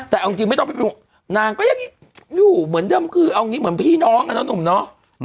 แต่เอาจริงนางก็ยังอยู่เหมือนเดิมคือเอาอย่างนี้เหมือนพี่น้องอะน้องหนุ่มเนาะ